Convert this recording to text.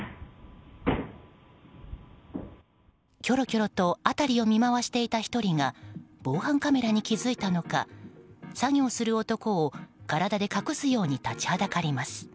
きょろきょろと辺りを見回していた１人が防犯カメラに気付いたのか作業する男を体で隠すように立ちはだかります。